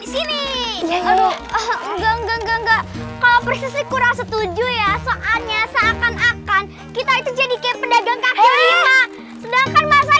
di sini kalau nggak nggak nggak kalau persis kurang setuju ya soalnya seakan akan kita itu jadi kayak